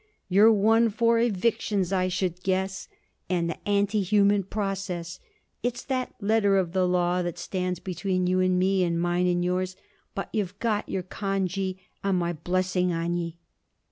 You're one for evictions, I should guess, and the anti human process. It's that letter of the law that stands between you and me and mine and yours. But you've got your congee, and my blessing on ye!'